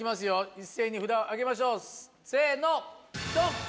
一斉に札を上げましょうせのドン！